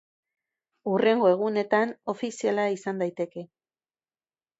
Hurrengo egunetan ofiziala izan daiteke.